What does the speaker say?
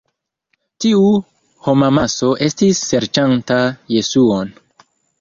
Tiu homamaso estis serĉanta Jesuon.